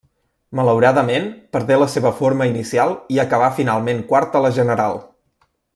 Malauradament, perdé la seva forma inicial i acabà finalment quart a la general.